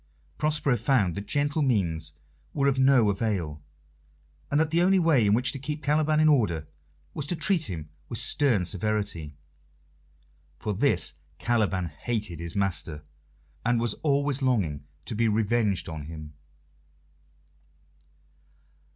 Prospero found that gentle means were of no avail, and that the only way in which to keep Caliban in order was to treat him with stern severity. For this Caliban hated his master, and was always longing to be revenged on him.